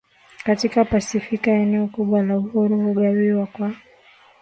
katika Pasifiki Eneo kubwa la Urusi hugawiwa kwa